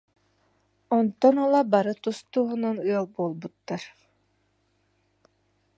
Онтон ыла бары тус-туһунан ыал буолбуттар